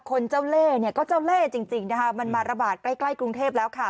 คนเจ้าเล่เนี่ยก็เจ้าเล่จริงนะคะมันมาระบาดใกล้ใกล้กรุงเทพแล้วค่ะ